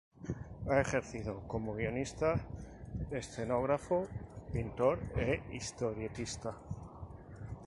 Ha ejercido como guionista, escenógrafo, pintor e historietista.